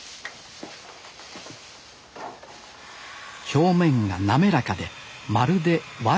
表面が滑らかでまるで和紙。